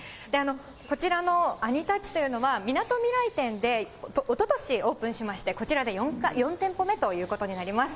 こちらのアニタッチというのは、みなとみらい店でおととしオープンしまして、こちらで４店舗目ということになります。